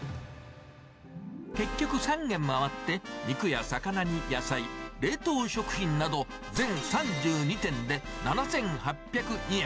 結局、３軒回って、肉や魚に野菜、冷凍食品など、全３２点で７８０２円。